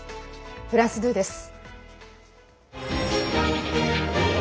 フランス２です。